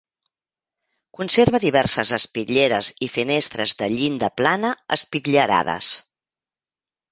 Conserva diverses espitlleres i finestres de llinda plana espitllerades.